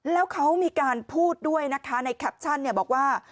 แล้วเขามีการพูดด้วยนะคะในแคปชั่นบอกว่า